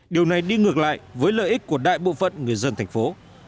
điều này đi ngược lại với lợi ích của đại bộ phận người dân thành phố